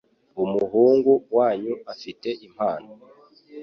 Umuhungu wanyu afite impano